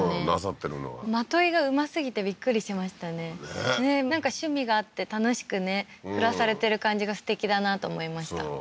なさってるのが的射がうますぎてびっくりしましたねねえなんか趣味があって楽しくね暮らされてる感じがすてきだなと思いました